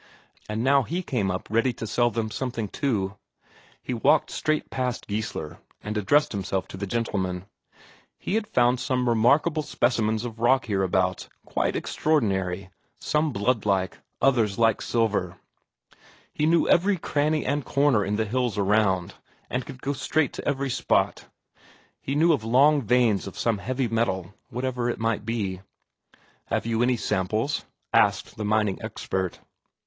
And now he came up ready to sell something too. He walked straight past Geissler, and addressed himself to the gentlemen; he had found some remarkable specimens of rock hereabouts, quite extraordinary, some blood like, others like silver; he knew every cranny and corner in the hills around and could go straight to every spot; he knew of long veins of some heavy metal whatever it might be. "Have you any samples?" asked the mining expert.